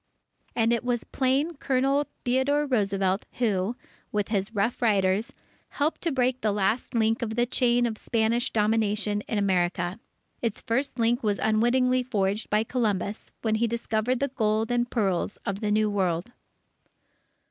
And it was plain Colonel Theodore Roosevelt who, with his Rough Riders, helped to break the last link of the chain of Spanish domination in America. Its first link was unwittingly forged by Columbus, when he discovered the gold and pearls of the New World.